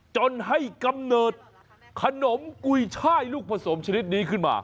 จนให้กำเนิดขนมกุยช่ายลูกผสมชนิดนี้ขึ้นมา